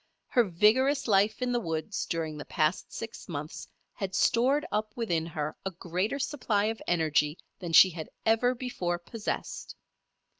Her vigorous life in the woods during the past six months had stored up within her a greater supply of energy than she had ever before possessed.